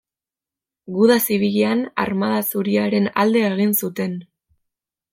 Guda Zibilean Armada Zuriaren alde egin zuten.